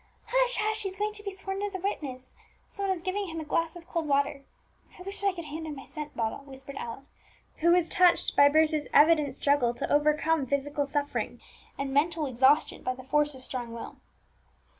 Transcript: "Hush! hush! he is going to be sworn as a witness, some one is giving him a glass of cold water; I wish that I could hand him my scent bottle," whispered Alice, who was touched by Bruce's evident struggle to overcome physical suffering and mental exhaustion by the force of strong will.